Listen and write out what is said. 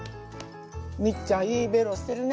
ミッちゃんいいベロしてるね。